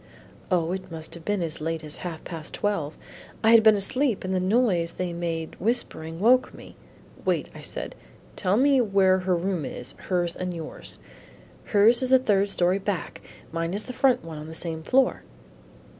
"O, it must have been as late as half past twelve. I had been asleep and the noise they made whispering, woke me." "Wait," I said, "tell me where her room is, hers and yours." "Hers is the third story back, mine the front one on the same floor."